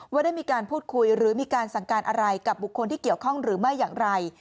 ว่าได้มีการพูดคุยหรือมีการสั่งการอะไรกับบุคคลที่เกี่ยวข้องหรือไม่อย่างไร